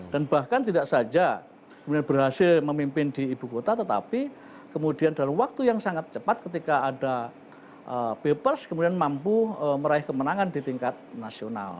dan bahkan tidak saja berhasil memimpin di ibu kota tetapi kemudian dalam waktu yang sangat cepat ketika ada papers kemudian mampu meraih kemenangan di tingkat nasional